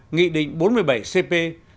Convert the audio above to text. nghị định bốn mươi bảy cp